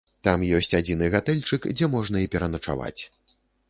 Там ёсць адзіны гатэльчык, дзе можна і пераначаваць.